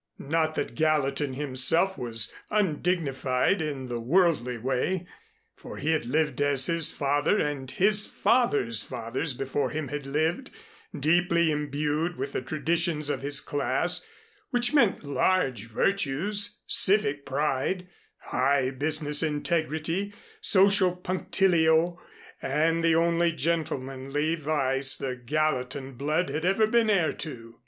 Not that Gallatin himself was undignified in the worldly way, for he had lived as his father and his father's fathers before him had lived, deeply imbued with the traditions of his class, which meant large virtues, civic pride, high business integrity, social punctilio, and the only gentlemanly vice the Gallatin blood had ever been heir to.